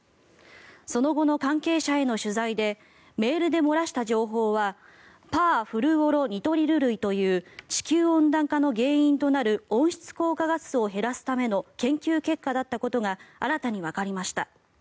その後の関係者への取材でメールで漏らした情報はパーフルオロニトリル類という地球温暖化の原因となる温室効果ガスを減らすための研究結果だったことが新たにわかりました。